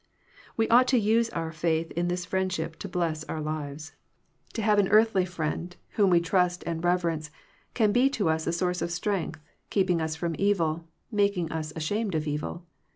We ought to use our faith in this friendship to bless our lives. To have 231 Digitized by VjOOQIC THE HIGHER FRIENDSHIP an earthly friend, whom we trust and reverence, can be to us a source of strength, keeping us from evil, making us ashamed of evil.